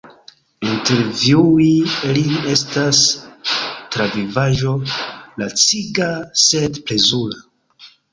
Intervjui lin estas travivaĵo laciga sed plezura!